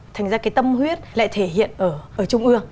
thành ra cái tâm huyết lại thể hiện ở trung ương